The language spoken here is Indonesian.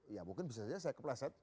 ya mungkin bisa saja saya keplaset ya